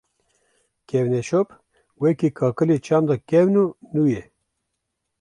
Kevneşop, weke kakilê çanda kevn û nû ye